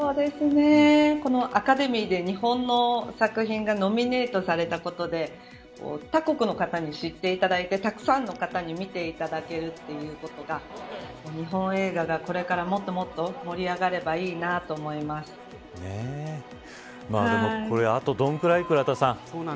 アカデミーで日本の作品がノミネートされたことで他国の方に知っていただいてたくさんの方に見ていただけるということが日本映画が、これからもっともっと盛り上がればいいなあと、どのくらい倉田さん。